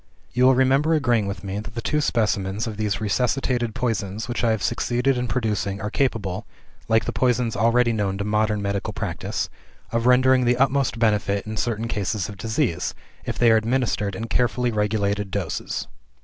"You will remember agreeing with me, that the two specimens of these resuscitated poisons which I have succeeded in producing are capable like the poisons already known to modern medical practice of rendering the utmost benefit in certain cases of disease, if they are administered in carefully regulated doses.